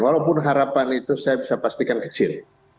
walaupun harapan itu saya bisa pastikan kecil